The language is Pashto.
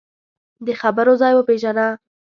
د خبرو ځای وپېژنه